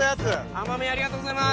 甘みありがとうございます。